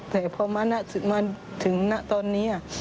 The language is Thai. แต่พอม่านะถึงม่านะตอนนี้อ่ะ